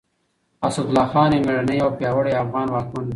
اسدالله خان يو مېړنی او پياوړی افغان واکمن و.